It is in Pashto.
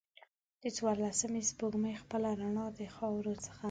د څوارلسمې سپوږمۍ خپله روڼا د خاورو څخه